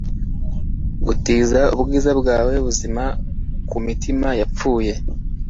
Gutiza ubwiza bwawe buzima kumitima yapfuye